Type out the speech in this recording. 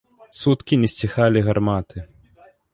Суткі не сціхалі гарматы.